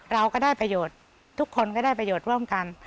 เราก็ได้ประโยชน์ทุกคนก็ได้ประโยชน์ร่วมกัน